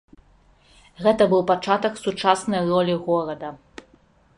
Гэта быў пачатак сучаснай ролі горада.